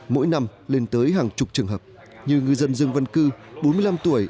mỗi năm lên tới hàng chục trường hợp như ngư dân dương văn cư bốn mươi năm tuổi